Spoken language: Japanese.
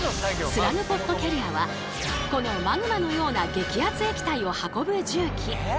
スラグポットキャリアはこのマグマのような激アツ液体を運ぶ重機。